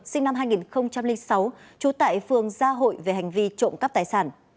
sinh năm hai nghìn sáu trú tại phường gia hội về hành vi trộm cắp tài sản